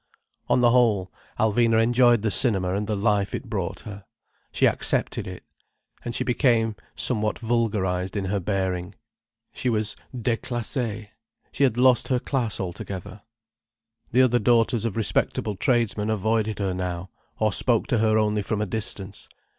On the whole, Alvina enjoyed the cinema and the life it brought her. She accepted it. And she became somewhat vulgarized in her bearing. She was déclassée: she had lost her class altogether. The other daughters of respectable tradesmen avoided her now, or spoke to her only from a distance.